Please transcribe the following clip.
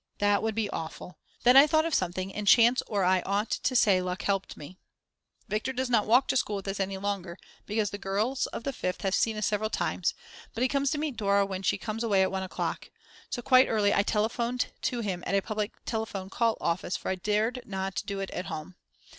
That would be awful. Then I thought of something, and chance or I ought to say luck helped me. Viktor does not walk to school with us any longer, because the girls of the Fifth have seen us several times, but he comes to meet Dora when she comes away at 1 o'clock. So quite early I telephoned to him at a public telephone call office, for I did not dare to do it at home.